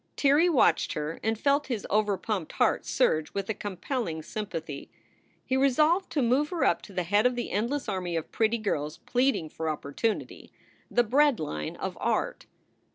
Tirrey watched her and felt his overpumped heart surge with a compelling sympathy. He resolved to move her up to the head of the endless army of pretty girls pleading for opportunity the bread line of art.